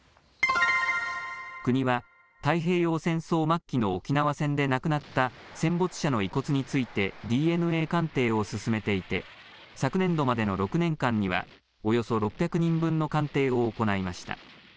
国は太平洋戦争末期の沖縄戦で亡くなった戦没者の遺骨についてＤＮＡ鑑定を進めていて昨年度までの６年間にはおよそ６００人分の鑑定を行いました。